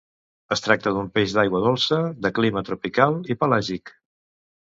Es tracta d'un peix d'aigua dolça, de clima tropical i pelàgic.